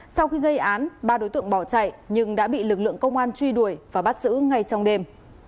sau khi gây án ba đối tượng bỏ chạy nhưng đã bị lực lượng công an truy đuổi và bắt giữ ngay trong đêm